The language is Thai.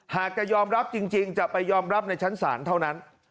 หากจะยอมรับจริงจะไปยอมรับในชั้นศาลเท่านั้น